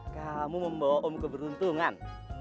kamu membawa om keberuntungan